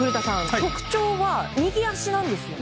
特徴は右足なんですよね？